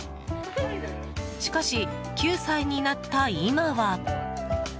しかし、９歳になった今は。